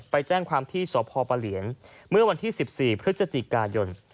ไปแจ้งความที่สพปะเหลียนเมื่อวันที่๑๔พฤศจิกายน